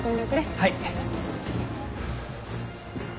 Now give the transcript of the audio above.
はい。